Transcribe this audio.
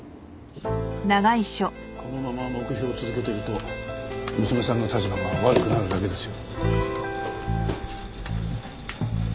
このまま黙秘を続けていると娘さんの立場が悪くなるだけですよ。